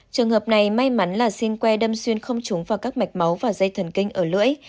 trường hợp này may mắn là xin que đâm xuyên không trúng vào các mạch máu và dây thần kinh ở lưỡi